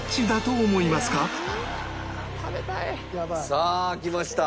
さあきました。